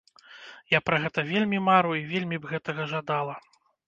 Я пра гэта вельмі мару, і вельмі б гэтага жадала.